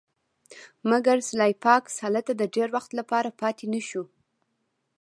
مګر سلای فاکس هلته د ډیر وخت لپاره پاتې نشو